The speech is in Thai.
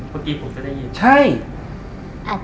เมื่อกี้ผมจะได้ยินใช่